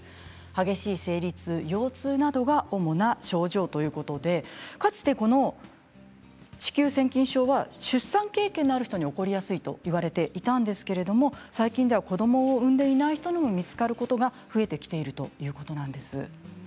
激しい生理痛、腰痛などが主な症状ということでかつて子宮腺筋症は出産経験のある人に起こりやすいと言われていたんですけれども最近では子どもを産んでいない人にも見つかることが増えてきているということなんです。